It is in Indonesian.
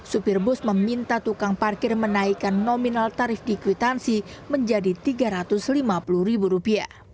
supir bus meminta tukang parkir menaikkan nominal tarif di kwitansi menjadi rp tiga ratus lima puluh